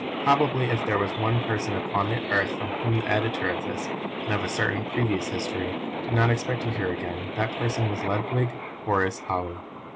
Probably if there was one person upon the earth from whom the Editor of this, and of a certain previous history, did not expect to hear again, that person was Ludwig Horace Holly.